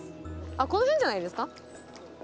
あっこの辺じゃないですか。